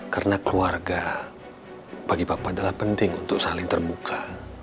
karena keluarga bagi papa adalah penting untuk saling terbuka